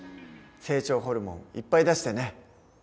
成長ホルモンいっぱい出してね。